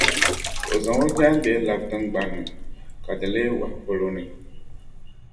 O zaŋ o jaangbee labi tiŋgbani ni, ka di leei wahu polo ni.